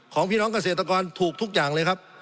สงบจนจะตายหมดแล้วครับ